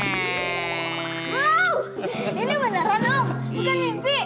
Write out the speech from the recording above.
wow ini beneran om bukan mimpi